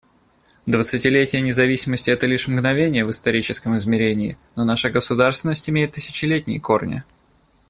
Двадцатилетие независимости — это лишь мгновение в историческом измерении, но наша государственность имеет тысячелетние корни.